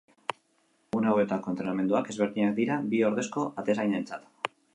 Egun hauetako entrenamenduak ezberdinak dira bi ordezko atezainentzat.